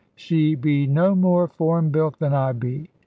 She be no more foreign build than I be.